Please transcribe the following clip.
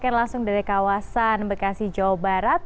terima kasih anda melaporkan langsung dari kawasan bekasi jawa barat